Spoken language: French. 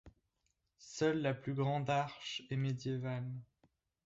Seule la plus grande arche est médiévale.